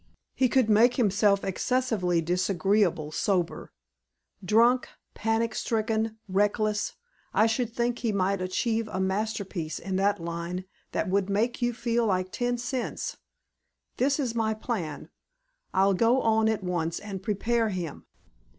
He could make himself excessively disagreeable sober. Drunk, panic stricken, reckless, I should think he might achieve a masterpiece in that line that would make you feel like ten cents.... This is my plan. I'll go on at once and prepare him.